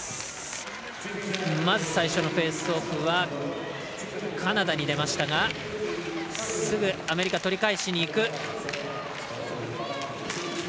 まず最初のフェースオフはカナダに出ましたがすぐアメリカが取り返しにいく。